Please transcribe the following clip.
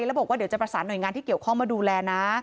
แล้วบอกว่าเดี๋ยวจะประสานหน่วยงานที่เกี่ยวข้องมาดูแลนะ